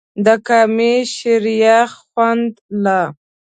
د کامې شریخ خوند لا